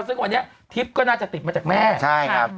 ซึ่งวันนี้ทิพย์ก็น่าจะติดมาจากแม่ใช่ครับ